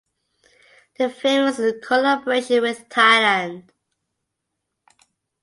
The film is the collaboration with Thailand.